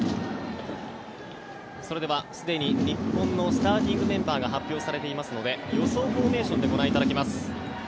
それではすでに日本のスターティングメンバーが発表されていますので予想フォーメーションでご覧いただきます。